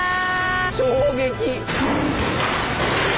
衝撃！